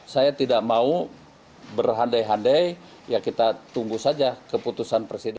saya tidak mau berandai andai ya kita tunggu saja keputusan presiden